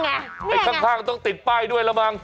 ไอ้ข้างต้องติดไปด้วยแล้วบ้าง